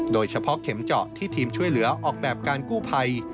โดยเฉพาะเข็มเจาะที่ทีมช่วยเหลือออกแบบการกู้ภัย